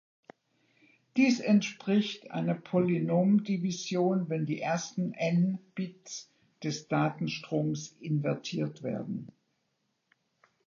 Dies entspricht einer Polynomdivision, wenn die ersten "n" Bits des Datenstroms invertiert werden.